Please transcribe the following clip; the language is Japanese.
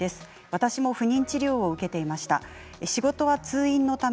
私も不妊治療を受けていました。